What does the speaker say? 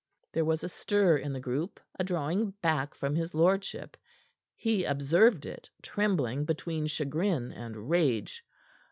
There was a stir in the group, a drawing back from his lordship. He observed it, trembling between chagrin and rage.